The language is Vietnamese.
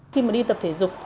khi mà đi tập thể dục